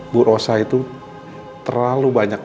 bu rosa itu terlalu banyak